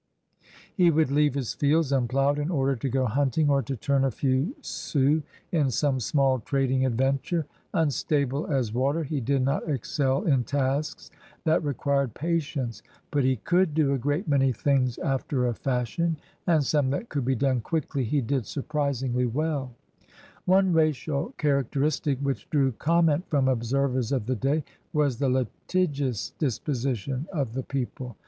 He would leave his fields unploughed in order to go hunting or to turn a few sous in some small trading adventure. Unstable as water, he did not excel in tasks that required patience. But he could do a great many things after a fashion, and some 224 CRUSADEBS OF NEW FRANCE that could be done quickly he did surprisingly well. One racial characteristic which drew comm^it from observers of the day was the litigious dispo sition of the people.